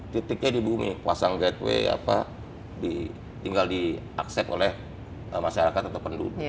titiknya di bumi pasang gateway apa tinggal di accept oleh masyarakat atau penduduk